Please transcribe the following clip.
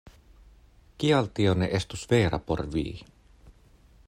Kial tio ne estus vera por vi?